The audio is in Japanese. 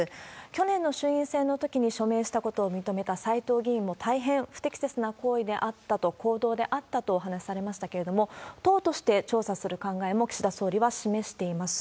去年の衆院選のときに署名したことを認めた斎藤議員も、大変不適切な行為であったと、行動であったとお話しされましたけれども、党として調査する考えも、岸田総理は示しています。